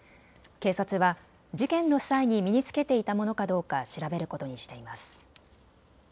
警察は事件の際に身に着けていたものかどうか調べることにしています。